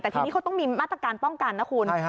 แต่ทีนี้เขาต้องมีมาตรการป้องกันนะคุณ